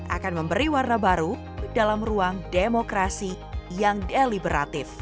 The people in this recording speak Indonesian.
akan memberi warna baru dalam ruang demokrasi yang deliberatif